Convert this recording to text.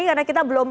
karena kita belum